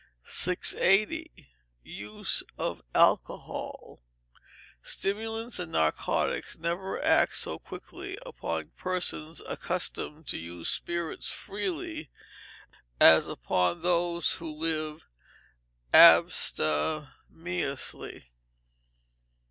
680. Use of Alcohol. Stimulants and narcotics never act so quickly upon persons accustomed to use spirits freely as upon those who live abstemiously.